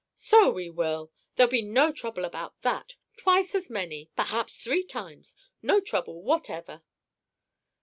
"So we will! There'll be no trouble about that! Twice as many, perhaps three times! No trouble whatever!"